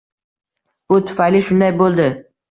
Bu tufayli shunday bo’ldi.